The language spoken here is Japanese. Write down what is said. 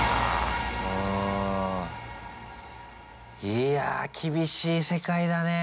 いや厳しい世界だねぇ。